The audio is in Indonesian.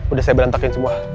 udah saya berantakin semua